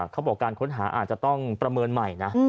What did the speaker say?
เขาบอกการค้นหาอาจจะต้องประเมินใหม่นะ